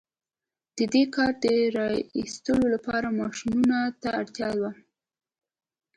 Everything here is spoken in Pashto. د دې کان د را ايستلو لپاره ماشينونو ته اړتيا وه.